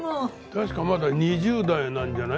確かまだ２０代なんじゃない？